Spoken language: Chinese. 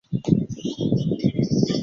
曷言乎罗汉脚也？